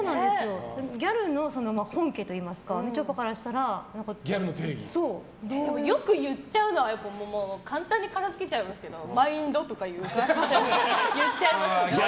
ギャルの本家といいますかみちょぱといいますからよく言っちゃうのは簡単に片づけちゃいますけどマインドとか言っちゃいます。